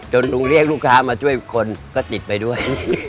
ลุงเรียกลูกค้ามาช่วยคนก็ติดไปด้วย